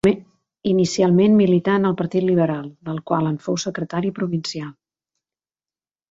Inicialment milità en el Partit Liberal, del que en fou secretari provincial.